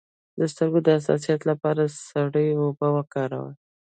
د سترګو د حساسیت لپاره سړې اوبه وکاروئ